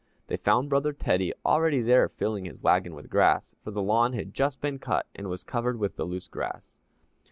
They found brother Teddy already there filling his wagon with grass, for the lawn had just been cut and was covered with the loose grass.